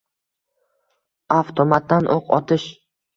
Avtomatdan oʻq otish